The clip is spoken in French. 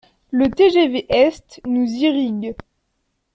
Le TGV Est nous irrigue.